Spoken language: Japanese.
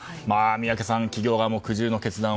宮家さん企業側も苦渋の決断を。